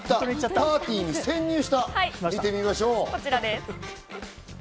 パーティーに潜入した、見てみまこちらです。